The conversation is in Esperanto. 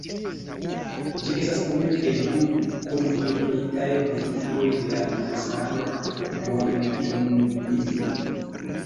Ĝi estas unu el du konfirmitaj vehikloj de la malsano hŭanglongbingo.